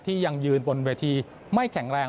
ยังยืนบนเวทีไม่แข็งแรง